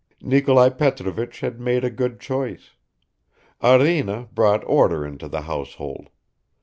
Nikolai Petrovich had made a good choice. Arina brought order into the household.